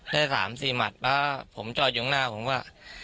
ได้๓๔หมัดเพราะผมจอดอยู่ข้างหน้าผมก็